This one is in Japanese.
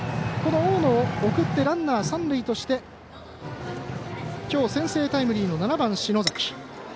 大野を送ってランナーを三塁として今日先制タイムリーの７番、篠崎。